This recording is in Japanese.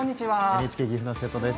ＮＨＫ岐阜の瀬戸です。